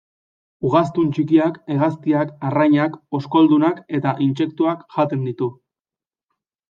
Ugaztun txikiak, hegaztiak, arrainak, oskoldunak eta intsektuak jaten ditu.